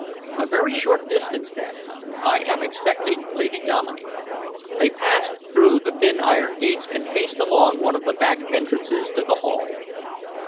"A very short distance, then. I am expecting Lady Dominey." They passed through the thin iron gates and paced along one of the back entrances to the Hall.